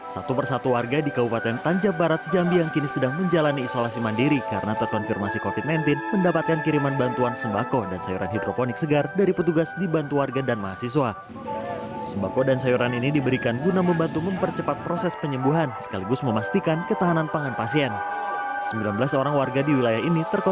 sehat kurni kembali yang penting semangat